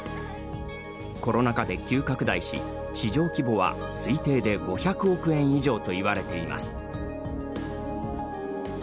コロナ禍で急拡大し市場規模は推定で５００億円以上といわれています。